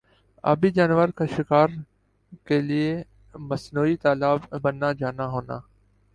آبی جانور کا شکار کا لئے مصنوعی تالاب بننا جانا ہونا